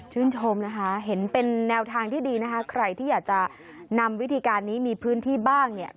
ชมนะคะเห็นเป็นแนวทางที่ดีนะคะใครที่อยากจะนำวิธีการนี้มีพื้นที่บ้างเนี่ย